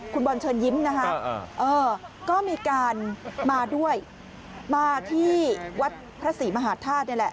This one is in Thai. คุณบอลเชิญยิ้มนะคะก็มีการมาด้วยมาที่วัดพระศรีมหาธาตุนี่แหละ